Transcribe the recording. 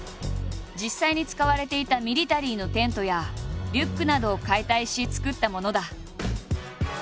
実際に使われていたミリタリーのテントやリュックなどを解体し作ったものだ。